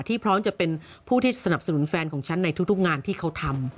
พร้อมจะเป็นผู้ที่สนับสนุนแฟนของฉันในทุกงานที่เขาทำ